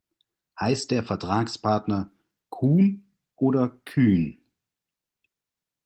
Heißt der Vertragspartner Kuhn oder Kühn?